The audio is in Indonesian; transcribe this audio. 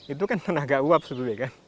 itu kan tenaga uap sebetulnya kan